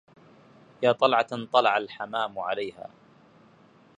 يا طلعة طلع الحمام عليها